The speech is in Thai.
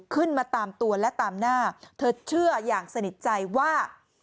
ขึ้นมาตามตัวและตามหน้าเธอเชื่ออย่างสนิทใจว่า